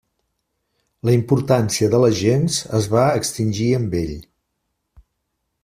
La importància de la gens es va extingir amb ell.